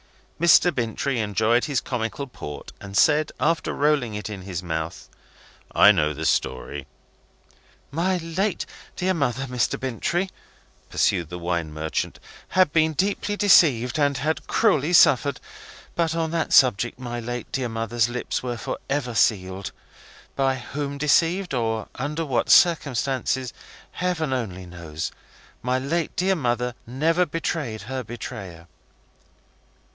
Mr. Bintrey enjoyed his comical port, and said, after rolling it in his mouth: "I know the story." "My late dear mother, Mr. Bintrey," pursued the wine merchant, "had been deeply deceived, and had cruelly suffered. But on that subject my late dear mother's lips were for ever sealed. By whom deceived, or under what circumstances, Heaven only knows. My late dear mother never betrayed her betrayer."